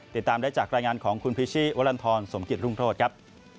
ติดตามได้จากรายงานของคุณพิชิวรรณฑรสมกิจรุ่งโทษครับ